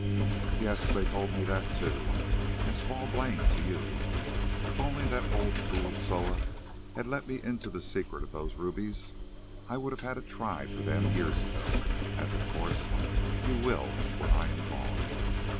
"Yes, they told me that too, and small blame to you. If only that old fool Soa had let me into the secret of those rubies, I would have had a try for them years ago, as of course you will when I am gone.